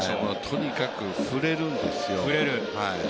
とにかく振れるんですよ。